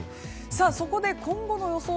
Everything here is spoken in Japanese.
そこで今後の予想